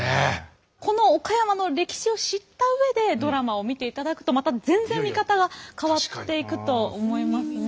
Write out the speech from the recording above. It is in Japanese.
この岡山の歴史を知った上でドラマを見ていただくとまた全然見方が変わっていくと思いますね。